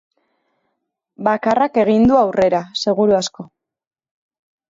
Bakarrak egingo du aurrera, seguru asko.